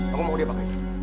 aku mau dia pakai